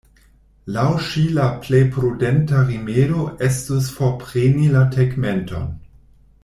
Laŭ ŝi la plej prudenta rimedo estus forpreni la tegmenton.